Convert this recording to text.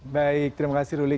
baik terima kasih ruli